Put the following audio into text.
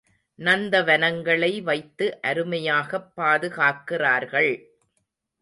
நந்தவனங்களை வைத்து அருமையாகப் பாதுகாக்கிறார்கள்.